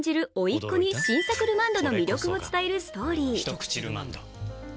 っ子に新作ルマンドの魅力を伝えるストーリー。